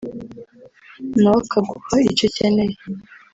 na we akaguha icyo ukeneye